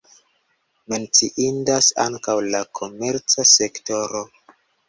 Menciindas ankaŭ la komerca sektoro.